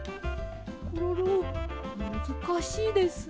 コロロむずかしいですね。